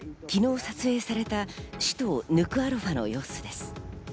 昨日撮影された首都ヌクアロファの様子です。